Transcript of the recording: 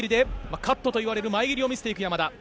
カットといわれる前蹴りを見せていく山田。